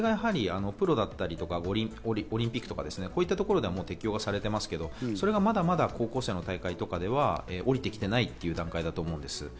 これがやはりプロだったりとかオリンピックとか、こういったところで適用されていますけど、それがまだまだ高校生の大会とかでは、下りてきていないという段階だと思います。